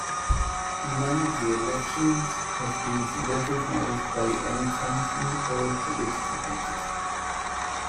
None of the elections have been recognized by any country or political entity.